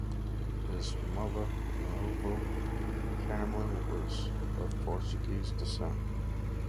His mother, Ludovina Cameron, was of Portuguese descent.